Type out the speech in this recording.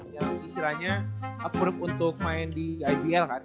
yang istilahnya approve untuk main di ibl kan